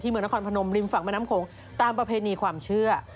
เมืองนครพนมริมฝั่งแม่น้ำโขงตามประเพณีความเชื่อ